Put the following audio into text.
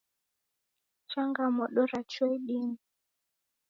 Changamodo rachua idime